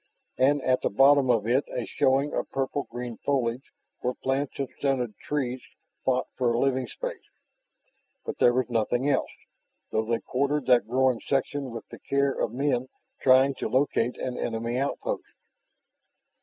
And at the bottom of it a showing of purple green foliage where plants and stunted trees fought for living space. But there was nothing else, though they quartered that growing section with the care of men trying to locate an enemy outpost.